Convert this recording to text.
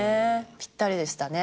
ぴったりでしたね。